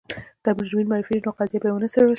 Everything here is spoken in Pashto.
که مجرمین معرفي شي نو قضیه به یې ونه څېړل شي.